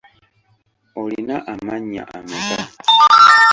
Olina amannya ameka?